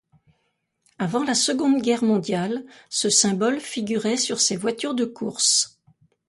Avant la Seconde Guerre mondiale, ce symbole figurait sur ses voitures de course.